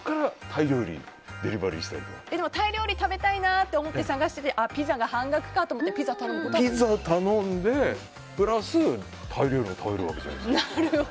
タイ料理食べたいなって思ってて探しててピザが半額だからってピザ頼んでプラス、タイ料理も食べるわけじゃないですか。